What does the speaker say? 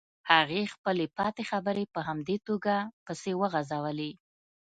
هغې خپلې پاتې خبرې په همدې توګه پسې وغزولې.